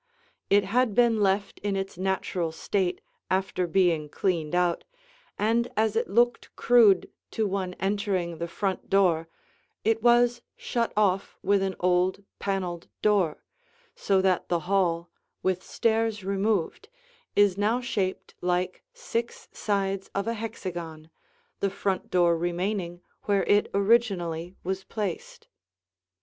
It had been left in its natural state after being cleaned out, and as it looked crude to one entering the front door, it was shut off with an old, paneled door, so that the hall, with stairs removed, is now shaped like six sides of a hexagon, the front door remaining where it originally was placed.